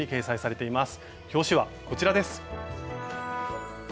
表紙はこちらです。